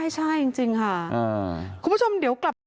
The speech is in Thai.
ใช่จริงค่ะคุณผู้ชมเดี๋ยวกลับมา